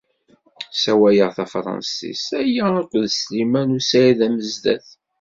Ssawaleɣ tafṛensist ala akked Sliman u Saɛid Amezdat.